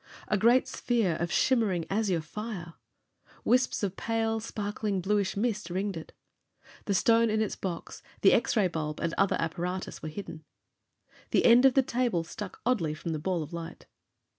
A great sphere of shimmering azure fire! Wisps of pale, sparkling bluish mist ringed it. The stone in its box, the X ray bulb and other apparatus were hidden. The end of the table stuck oddly from the ball of light.